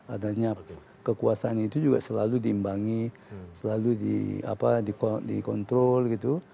adanya kekuasaan itu juga selalu diimbangi selalu dikontrol gitu